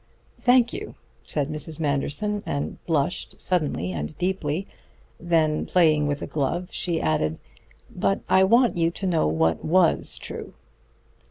"Thank you," said Mrs. Manderson; and blushed suddenly and deeply. Then, playing with a glove, she added: "But I want you to know what was true."